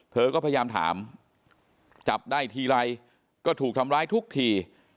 เธอก็พยายามถามจับได้ทีไรก็ถูกทำร้ายทุกที